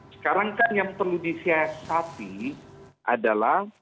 sekarang kan yang perlu disiasati adalah